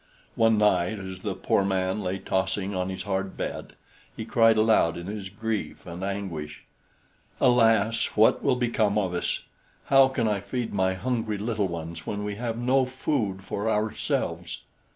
One night, as the poor man lay tossing on his hard bed, he cried aloud in his grief and anguish: "Alas! what will become of us? How can I feed my hungry little ones when we have no food for ourselves?"